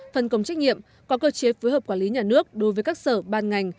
phân công trách nhiệm có cơ chế phối hợp quản lý nhà nước đối với các sở ban ngành